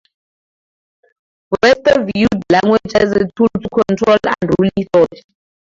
Webster viewed language as a tool to control unruly thoughts.